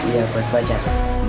iya buat pacar